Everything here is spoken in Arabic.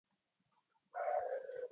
كم بغور الشآم غادرت منهم